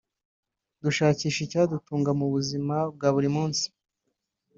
dushakisha icyadutunga mu buzima bwa buri munsi